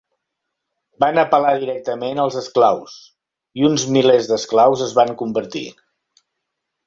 Van apel·lar directament als esclaus, i uns milers d'esclaus es van convertir.